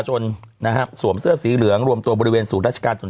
นะฮะสวมเสื้อสีเหลืองรวมตัวบริเวณศูนย์ราชการจน